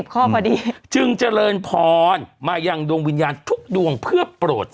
ข้อพอดีจึงเจริญพรมายังดวงวิญญาณทุกดวงเพื่อโปรด